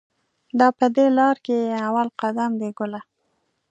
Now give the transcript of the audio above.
دا په دې لار کې اول قدم دی ګله.